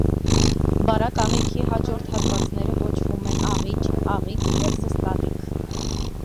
Բարակ աղիքի հաջորդ հատվածները կոչվում են աղիճ աղիք և զստաղիք։